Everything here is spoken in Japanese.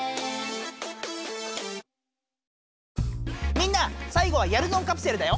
みんなさい後はやるぞんカプセルだよ！